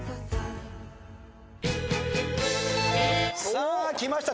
さあきました。